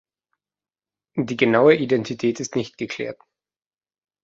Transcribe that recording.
Die genaue Identität ist nicht geklärt.